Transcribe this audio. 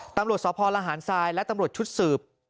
ตำรวจสพลหารทรายและตำรวจชุดสืบ